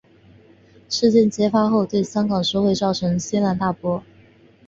事件揭发后对香港社会造成轩然大波。